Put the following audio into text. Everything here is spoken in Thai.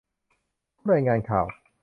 ผู้รายงานข่าว